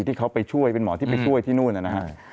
ที่เขาไปช่วยเป็นหมอที่ไปช่วยที่นู่นนะครับ